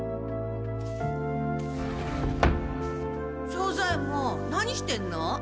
庄左ヱ門何してんの？